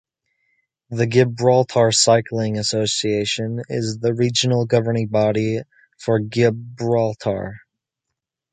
The Gibraltar Cycling Association is the regional governing body for Gibraltar.